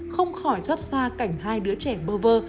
không khỏi rớt ra cảnh hai đứa trẻ bơ vơ